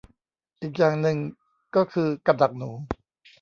อีกอย่างหนึ่งก็คือกับดักหนู